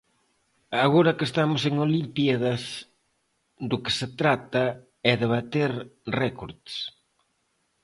Agora que estamos en olimpíadas, do que se trata é de bater récords.